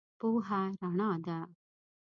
پوهه رنا ده.